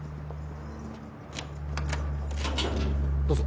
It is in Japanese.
どうぞ。